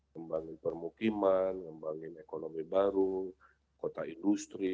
ngembangin permukiman ngembangin ekonomi baru kota industri